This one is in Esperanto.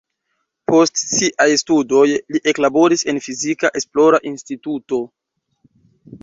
Post siaj studoj li eklaboris en fizika esplora instituto.